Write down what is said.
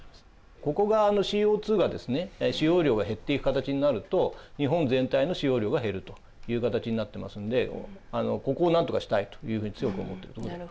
ここがＣＯがですね使用量が減っていく形になると日本全体の使用量が減るという形になってますのでここをなんとかしたいというふうに強く思ってると思います。